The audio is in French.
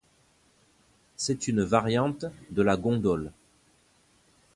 C'est une variante de la gondole.